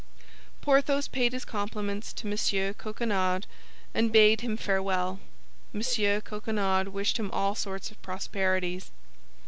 Porthos paid his compliments to M. Coquenard and bade him farewell. M. Coquenard wished him all sorts of prosperities.